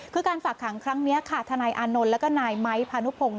คือการฝากขังครั้งนี้ค่ะทอนและก็นมพพ